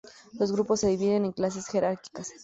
Los grupos se dividen en clases jerárquicas.